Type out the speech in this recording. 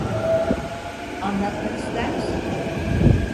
Anlatmak ister misin?